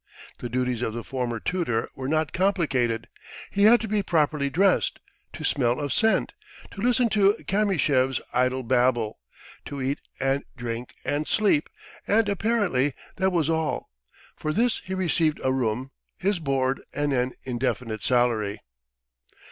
The duties of the former tutor were not complicated. He had to be properly dressed, to smell of scent, to listen to Kamyshev's idle babble, to eat and drink and sleep and apparently that was all. For this he received a room, his board, and an indefinite salary.